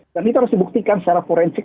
dan itu harus dibuktikan secara forensik